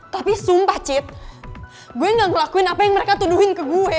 tapi sumpah cit gue gak ngelakuin apa yang mereka tuduhin ke gue